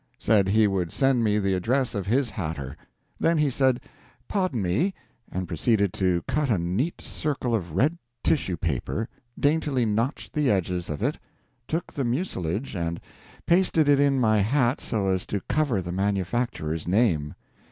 Said he would send me the address of his hatter. Then he said, "Pardon me," and proceeded to cut a neat circle of red tissue paper; daintily notched the edges of it; took the mucilage and pasted it in my hat so as to cover the manufacturer's name.